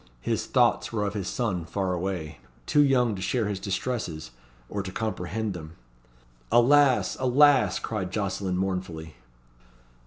His thoughts were of his son far away too young to share his distresses, or to comprehend them." "Alas! alas!" cried Jocelyn mournfully.